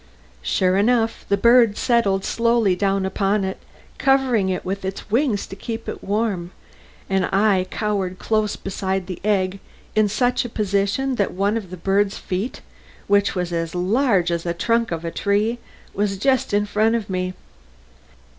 Sure enough the bird settled slowly down upon it, covering it with its wings to keep it warm, and I cowered close beside the egg in such a position that one of the bird's feet, which was as large as the trunk of a tree, was just in front of me.